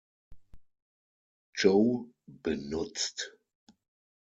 Joe benutzt.